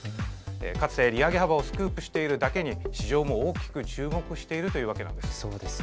かつて利上げ幅をスクープしているだけに市場も大きく注目しているというわけなんです。